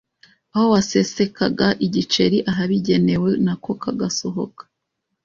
aho wasesekaga igiceri ahabigenewe nako kagasohoka.